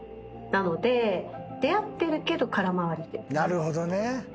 なるほどね。